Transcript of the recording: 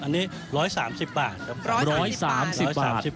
อันนี้๑๓๐บาทครับ